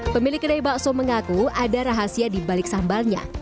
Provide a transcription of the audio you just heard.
pemilik kedai bakso mengaku ada rahasia di balik sambalnya